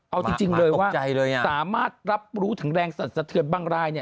เอาจริงเลยว่าสามารถรับรู้ถึงแรงสะเทือนบ้างราย